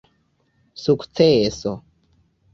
sukceso